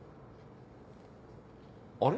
あれ？